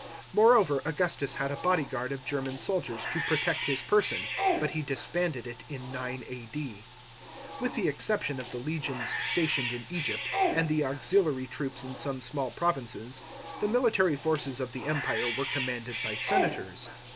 Moreover, Augustus had a body guard of German soldiers to protect his person; but he disbanded it in 9 A.D.f With the exception of the legions stationed in Egypt, and the auxiliary troops in some small provinces, the military forces of the Empire were commanded by senators.